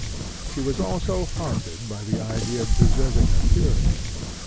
She was also haunted by the idea of preserving her purity.